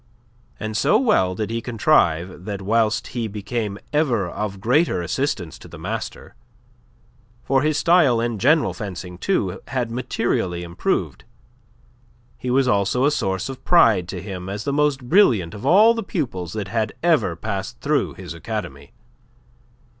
And so well did he contrive that whilst he became ever of greater assistance to the master for his style and general fencing, too, had materially improved he was also a source of pride to him as the most brilliant of all the pupils that had ever passed through his academy.